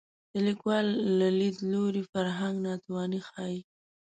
د لیکوال له لید لوري فرهنګ ناتواني ښيي